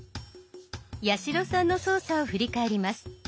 八代さんの操作を振り返ります。